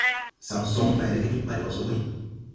Saŋ soŋ bay rege ɓil pay wa so buy.